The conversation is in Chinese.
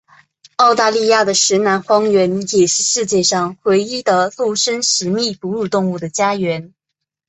澳大利亚的石楠荒原也是世界上唯一的陆生食蜜哺乳动物的家园。